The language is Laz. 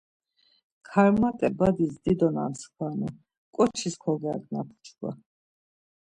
Karmat̆e badis dido namskvanu, ǩoçis konangapu çkva.